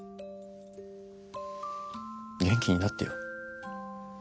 元気になってよ。